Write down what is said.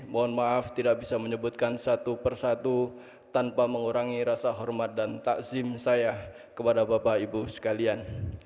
mohon maaf tidak bisa menyebutkan satu persatu tanpa mengurangi rasa hormat dan takzim saya kepada bapak ibu sekalian